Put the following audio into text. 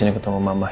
ayo ketemu mama pak